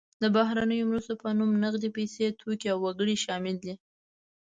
د بهرنیو مرستو په نوم نغدې پیسې، توکي او وګړي شامل دي.